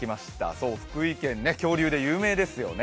そう、福井県ね、恐竜で有名ですよね。